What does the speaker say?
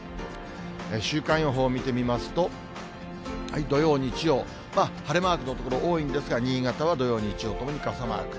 週間予報を見てみますと、土曜、日曜、晴れマークの所、多いんですが、新潟は土曜、日曜ともに傘マーク。